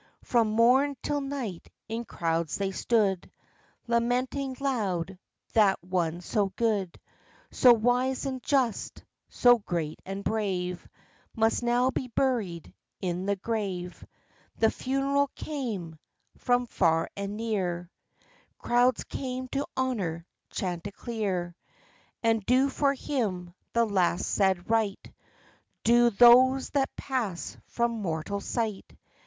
From morn till night, in crowds they stood, Lamenting loud that one so good, So wise and just, so great and brave, Must now be buried in the grave. The funeral came : from far and near Crowds came to honor Chanticleer, And do for him the last sad rite Due those that pass from mortal sight.